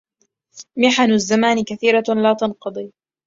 محن الزمان كثيرة لا تنقضي